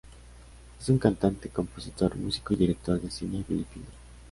Es un cantante, compositor, músico y director de cine filipino.